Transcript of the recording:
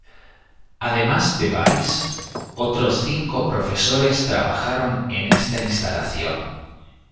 Ademas de Weiss, otros cinco profesores trabajaron en esta instalación.